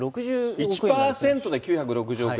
１％で９６０億円。